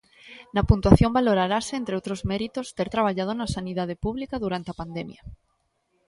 Na puntuación valorarase, entre outros méritos, ter traballado na sanidade pública durante a pandemia.